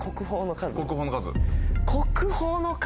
国宝の数？